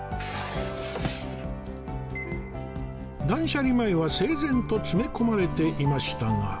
断捨離前は整然と詰め込まれていましたが